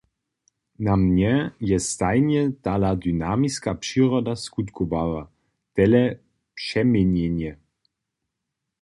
Na mnje je stajnje tale dynamiska přiroda skutkowała, tele přeměnjenje.